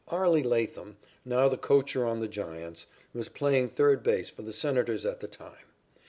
Arlie Latham, now the coacher on the Giants', was playing third base for the Senators at the time.